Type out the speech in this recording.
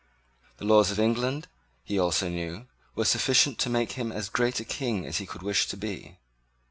The laws of England, he also knew, were sufficient to make him as great a King as he could wish to be.